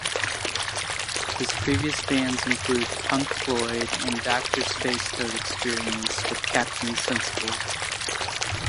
His previous bands include Punk Floyd and Doctor Spacetoad Experience, with Captain Sensible.